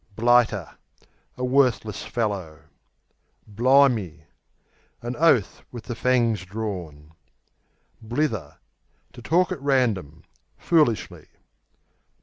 Blighter A worthless fellow. Bli'me An oath with the fangs drawn. Blither To talk at random, foolishly.